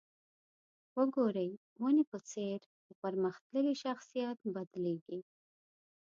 د ګورې ونې په څېر په پرمختللي شخصیت بدلېږي.